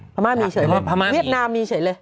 พม่ามีเฉยเลยเวียดนามมีเฉยเลย